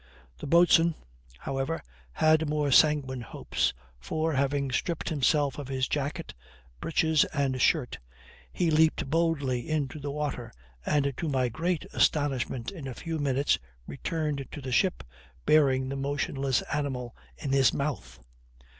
The boatswain, however, had more sanguine hopes, for, having stripped himself of his jacket, breeches, and shirt, he leaped boldly into the water, and to my great astonishment in a few minutes returned to the ship, bearing the motionless animal in his mouth.